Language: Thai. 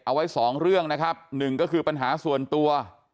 เอาไว้สองเรื่องนะครับหนึ่งก็คือปัญหาส่วนตัว